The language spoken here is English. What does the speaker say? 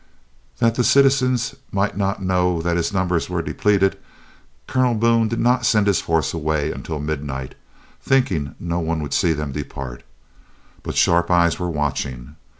That the citizens might not know that his numbers were depleted, Colonel Boone did not send this force away until midnight, thinking no one would see them depart. But sharp eyes were watching.